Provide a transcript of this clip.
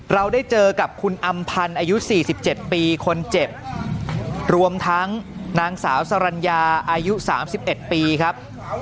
เราได้เจอกับคุณอำพันธ์อายุสี่สิบเจ็บปีคนเจ็บรวมทั้งนางสาวสรรรญาอายุสามสิบเอ็ดปีครับ